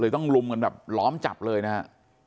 ต้องลุมกันแบบล้อมจับเลยนะฮะ